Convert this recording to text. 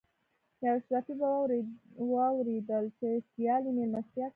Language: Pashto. یو اشرافي به واورېدل چې سیال یې مېلمستیا کړې.